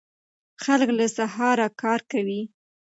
خلک له سهاره کار کوي.